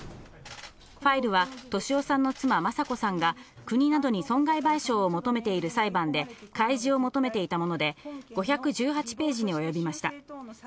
ファイルは俊夫さんの妻・雅子さんが国などに損害賠償を求めている裁判で、開示を求めていたもので５１８ページに及びました。